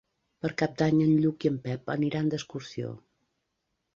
Per Cap d'Any en Lluc i en Pep aniran d'excursió.